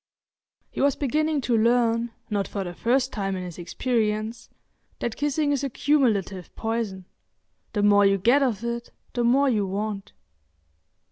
He was beginning to learn, not for the first time in his experience, that kissing is a cumulative poison. The more you get of it, the more you want.